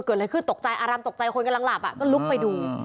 เกิดอะไรขึ้นตกใจอารมณ์ตกใจคนกำลังหลับอ่ะก็ลุกไปดู